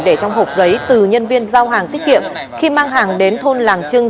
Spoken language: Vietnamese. để trong hộp giấy từ nhân viên giao hàng tiết kiệm khi mang hàng đến thôn làng trưng